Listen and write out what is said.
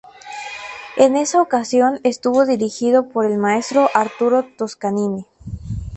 En esa ocasión estuvo dirigido por el maestro Arturo Toscanini.